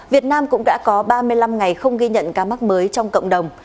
việt nam cũng đã có ba mươi năm ngày không ghi nhận ca mắc mới trong cộng đồng